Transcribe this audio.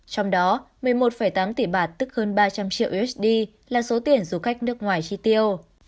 trong đó một mươi một tám tỷ bạt tức hơn ba trăm linh triệu usd là số tiền du khách nước ngoài chi tiêu